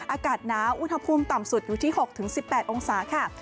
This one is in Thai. อากาศหนาวอุณหภูมิต่ำสุดอยู่ที่๖๑๘องศาค่ะ